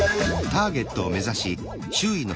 ターゲットを目指し周囲の。